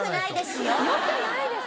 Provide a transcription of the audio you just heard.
よくないです。